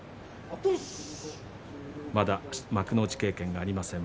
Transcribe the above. まだ幕内経験がありません